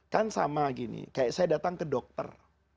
kan sama gini kayak saya datang ke dokter